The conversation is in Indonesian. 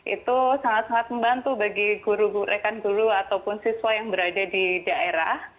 itu sangat sangat membantu bagi guru rekan guru ataupun siswa yang berada di daerah